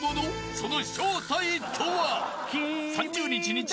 その正体とは。